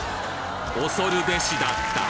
恐るべしだった！